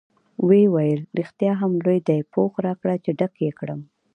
ویې ویل: رښتیا هم لوی دی، پوښ راکړه چې ډک یې کړم.